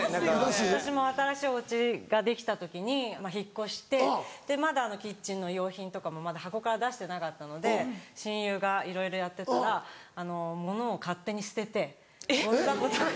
私も新しいおうちができた時に引っ越してまだキッチンの用品とかもまだ箱から出してなかったので親友がいろいろやってたらものを勝手に捨ててごみ箱とかに。